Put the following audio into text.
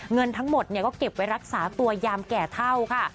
เงินทั้งหมดก็เก็บไว้รักษาตัวยามแก่เท่าค่ะ